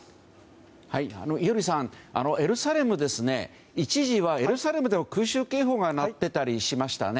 伊従さん、エルサレム一時はエルサレムでも空襲警報が鳴ってたりしましたね。